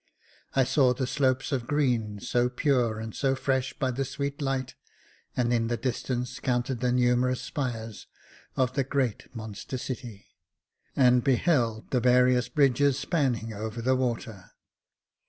I saw the slopes of green, so pure and so fresh by that sweet light, and in the distance counted the numerous spires of the great monster city, and beheld the various bridges spanning over the water.